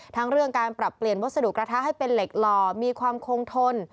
ทั้งเรื่องการปรับเปลี่ยนวัสดุกระทะให้เป็นเหล็กหล่อมีความคงทน